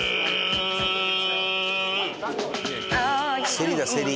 セリだセリ。